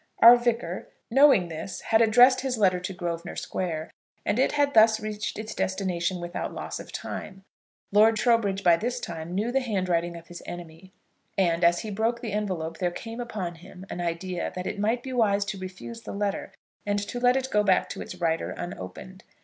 Our Vicar, knowing this, had addressed his letter to Grosvenor Square, and it had thus reached its destination without loss of time. Lord Trowbridge by this time knew the handwriting of his enemy; and, as he broke the envelope, there came upon him an idea that it might be wise to refuse the letter, and to let it go back to its writer unopened.